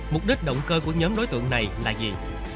mục đích động cơ của nhóm đối tượng này là gì